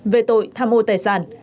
về tội tham ô tài sản